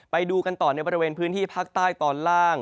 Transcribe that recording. ไปดูกันต่อในบริเวณพื้นที่ภาคใต้ตอนล่าง